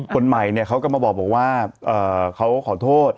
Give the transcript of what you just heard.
คนใหม่เขาก็มาบอกว่าเขาขอโทษ